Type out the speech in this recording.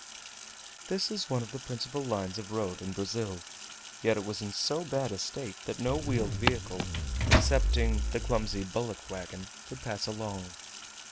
This is one of the principal lines of road in Brazil; yet it was in so bad a state that no wheeled vehicle, excepting the clumsy bullock wagon, could pass along.